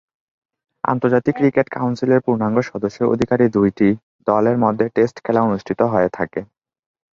আন্তর্জাতিক ক্রিকেট কাউন্সিলের পূর্ণাঙ্গ সদস্যের অধিকারী দুইটি দলের মধ্যে টেস্ট খেলা অনুষ্ঠিত হয়ে থাকে।